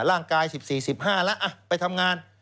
ร่างกาย๑๔๑๕แล้วไปทำงาน